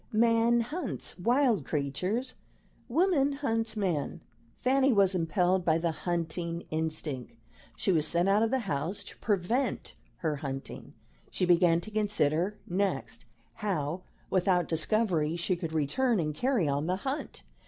Man hunts wild creatures; woman hunts man. Fanny was impelled by the hunting instinct. She was sent out of the house to prevent her hunting; she began to consider next, how, without discovery, she could return and carry on the hunt.